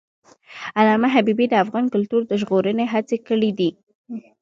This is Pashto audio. علامه حبیبي د افغان کلتور د ژغورنې هڅې کړی دي.